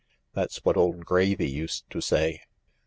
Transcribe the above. That's what old Gravy used to say.